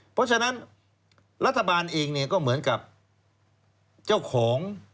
เพราะฉะนั้นรัฐบาลเองเนี่ยก็เหมือนกับเจ้าของ